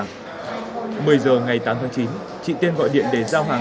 một mươi giờ ngày tám tháng chín chị tiên gọi điện để giao hàng